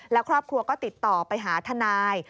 แล้วครอบครัวก็ติดต่อไปหาทนาย